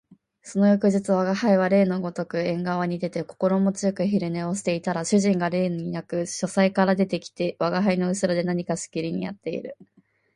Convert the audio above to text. その翌日吾輩は例のごとく縁側に出て心持ち善く昼寝をしていたら、主人が例になく書斎から出て来て吾輩の後ろで何かしきりにやっている